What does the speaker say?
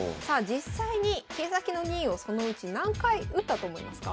実際に桂先の銀をそのうち何回打ったと思いますか？